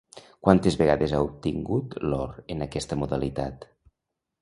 Quantes vegades ha obtingut l'or en aquesta modalitat?